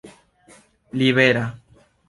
libera